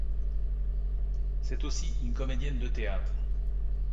C'est aussi une comédienne de théâtre.